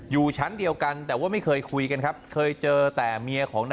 อยู่ชั้นเดียวกันแต่ว่าไม่เคยคุยกันครับ